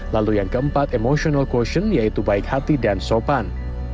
lalu yang keempat emotional quosisi yaitu baik hati dan sopan